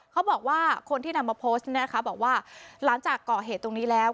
เขาบอกว่าคนที่นำมาโพสต์เนี่ยนะคะบอกว่าหลังจากก่อเหตุตรงนี้แล้ว